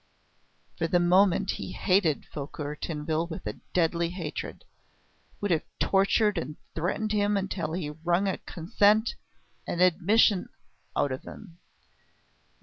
For the moment he hated Fouquier Tinville with a deadly hatred, would have tortured and threatened him until he wrung a consent, an admission, out of him.